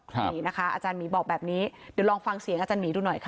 นี่นะคะอาจารย์หมีบอกแบบนี้เดี๋ยวลองฟังเสียงอาจารย์หมีดูหน่อยค่ะ